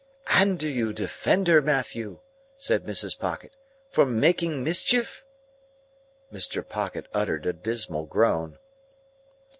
"And do you defend her, Matthew," said Mrs. Pocket, "for making mischief?" Mr. Pocket uttered a dismal groan.